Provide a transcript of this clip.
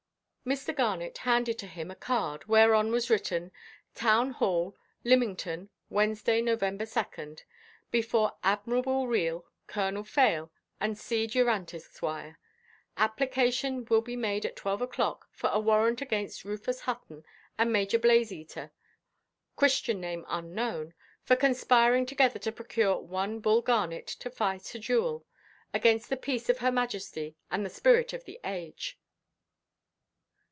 Mr. Garnet handed to him a card, whereon was written: "Town Hall, Lymington, Wednesday, November 2nd. Before Admiral Reale, Col. Fale, and C. Durant, Esq. Application will be made at 12 oʼclock for a warrant against Rufus Hutton and Major Blazeater—Christian name unknown—for conspiring together to procure one Bull Garnet to fight a duel, against the peace of Her Majesty, and the spirit of the age."